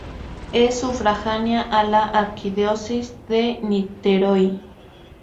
Es sufragánea a la Arquidiócesis de Niterói.